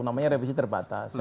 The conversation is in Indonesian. namanya revisi terbatas